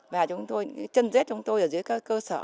và chân dết chúng tôi ở dưới cơ sở